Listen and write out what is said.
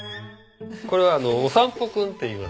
これはお散歩くんっていいます。